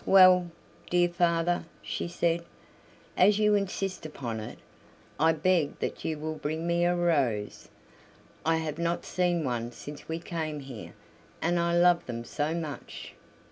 "Well, dear father," she said, "as you insist upon it, I beg that you will bring me a rose. I have not seen one since we came here, and I love them so much."